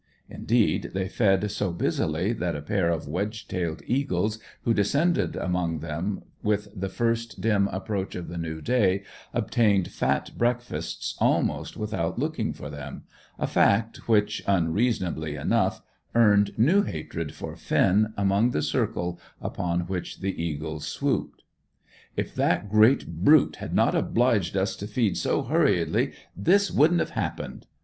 Indeed, they fed so busily that a pair of wedge tailed eagles who descended among them with the first dim approach of the new day, obtained fat breakfasts almost without looking for them, a fact which, unreasonably enough, earned new hatred for Finn among the circle upon which the eagles swooped. "If that great brute had not obliged us to feed so hurriedly, this wouldn't have happened!"